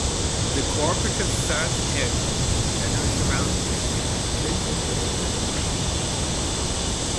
The Cooperative serves a territory generally surrounding Clinton and Marshall.